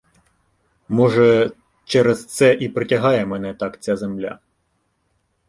Може, через це і притягає мене так ця земля.